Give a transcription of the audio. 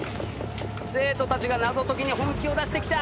生徒たちが謎解きに本気を出してきた！